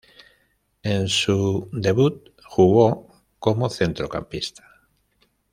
En su debut jugó como centrocampista.